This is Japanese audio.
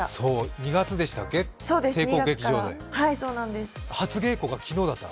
２月でしたっけ、帝国劇場で。